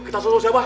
kita suruh si abah